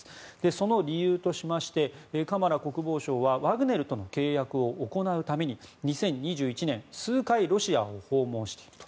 その理由としましてカマラ国防相はワグネルとの契約を行うために２０２１年数回、ロシアを訪問していると。